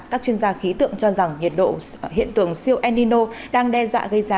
các chuyên gia khí tượng cho rằng nhiệt độ hiện tượng siêu enino đang đe dọa gây ra